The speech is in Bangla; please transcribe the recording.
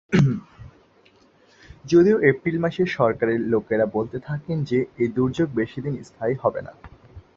যদিও এপ্রিল মাসে সরকারের লোকেরা বলতে থাকেন যে, এই দুর্যোগ বেশি দিন স্থায়ী হবে না।